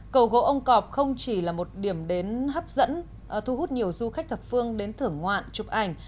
cầu gỗ ông cọp không chỉ là một điểm đến hấp dẫn thu hút nhiều du khách thập phương đến thưởng ngoạn chụp ảnh